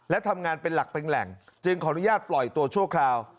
และทำงานเป็นหลักเป็นแหล่งจึงขออนุญาตปล่อยตัวชั่วคราว